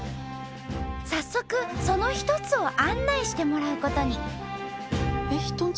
早速その一つを案内してもらうことに。